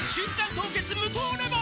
凍結無糖レモン」